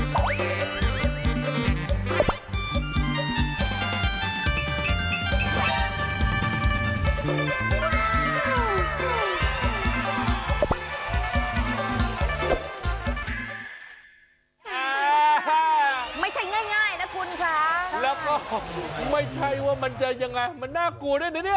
ไม่ใช่ง่ายนะคุณค่ะแล้วก็ไม่ใช่ว่ามันจะยังไงมันน่ากลัวด้วยนะเนี่ย